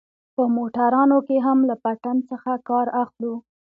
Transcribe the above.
په موټرانو کښې هم له پټن څخه کار اخلو.